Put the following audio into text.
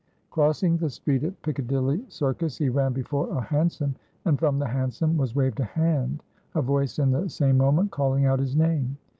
Crossing the street at Piccadilly Circus, he ran before a hansom, and from the hansom was waved a hand, a voice in the same moment calling out his name.